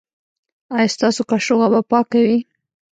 ایا ستاسو کاشوغه به پاکه وي؟